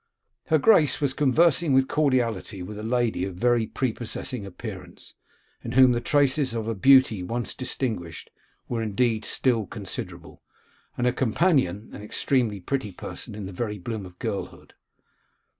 Her Grace was conversing with cordiality with a lady of very prepossessing appearance, in whom the traces of a beauty once distinguished were indeed still considerable, and her companion, an extremely pretty person, in the very bloom of girlhood.